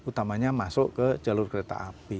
utamanya masuk ke jalur kereta api